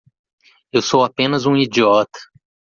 Eu sou apenas um idiota.